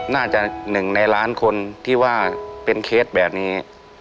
น่าจะ๑ในล้านคนที่ว่าเป็นเคสแบบนี้